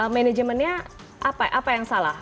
manajemennya apa yang salah